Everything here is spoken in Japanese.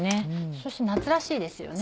そして夏らしいですよね。